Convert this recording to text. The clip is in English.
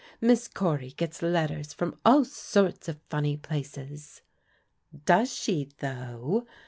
" Miss Cory gets letters from all sorts of funny places." " Does she, though